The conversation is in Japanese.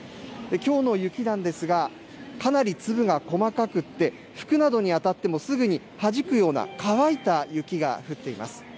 きょうの雪なんですが、かなり粒が細かくて服などに当たってもすぐにはじくような乾いた雪が降っています。